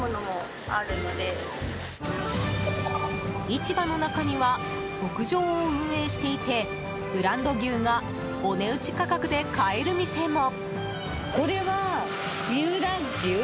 市場の中には牧場を運営していてブランド牛がお値打ち価格で買える店も。